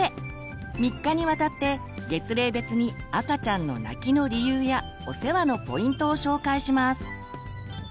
３日にわたって月齢別に赤ちゃんの泣きの理由やお世話のポイントを紹介します。